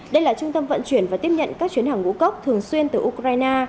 đây là trung tâm vận chuyển và tiếp nhận các chuyến hàng ngũ cốc thường xuyên từ ukraine